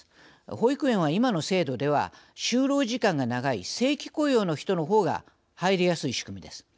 保育園は今の制度では就労時間が長い正規雇用の人の方が入りやすい仕組みです。